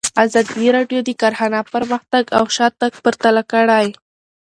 ازادي راډیو د کرهنه پرمختګ او شاتګ پرتله کړی.